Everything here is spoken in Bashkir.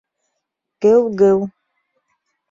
«Геү... геү...»